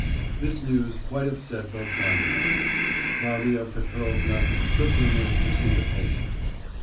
These news quite upset Velchaninoff. Claudia Petrovna took him in to see the patient.